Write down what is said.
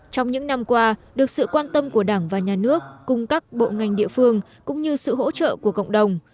trong những năm qua được sự quan tâm của đảng và nhà nước cùng các bộ ngành địa phương cũng như sự hỗ trợ của cộng đồng